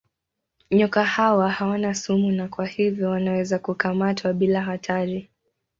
Nyoka hawa hawana sumu na kwa hivyo wanaweza kukamatwa bila hatari.